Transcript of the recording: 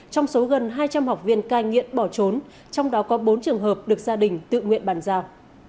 trong số gần hai trăm linh học viên cai nghiện bỏ trốn trong đó có bốn trường hợp được gia đình tự nguyện bàn giao